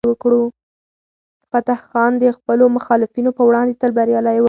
فتح خان د خپلو مخالفینو په وړاندې تل بریالی و.